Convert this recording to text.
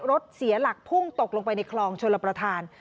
เสียหลักพุ่งตกลงไปในคลองชลประธาน